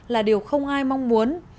là điều không ai mong muốn